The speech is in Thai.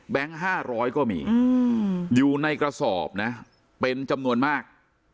แบงค์ห้าร้อยก็มีอืมอยู่ในกระสอบนะเป็นจำนวนมาก